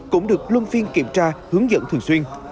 cũng được luân phiên kiểm tra hướng dẫn thường xuyên